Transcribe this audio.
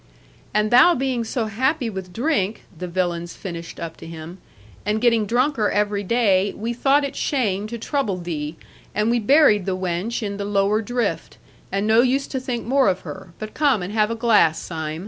'And thou being so happy with drink,' the villains finished up to him, 'and getting drunker every day, we thought it shame to trouble thee; and we buried the wench in the lower drift; and no use to think more of her; but come and have a glass, Sim.'